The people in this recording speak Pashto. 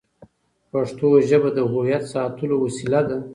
پښتو ژبه د هویت ساتلو وسیله ده.